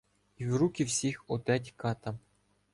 І в руки всіх оддать катам.